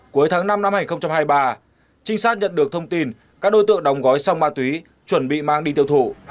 cuối tháng năm năm hai nghìn hai mươi ba trinh sát nhận được thông tin các đối tượng đóng gói xong ma túy chuẩn bị mang đi tiêu thụ